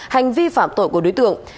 hành vi phạm tội của đối tượng